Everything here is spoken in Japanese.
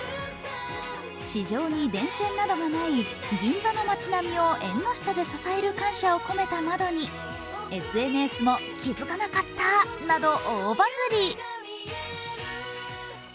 地上に電線などがない銀座の街並みを縁の下で支える感謝を込めた窓にＳＮＳも、気づかなかったなど大バズり。